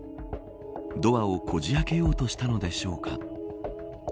ドアをこじ開けようとしたのでしょうか。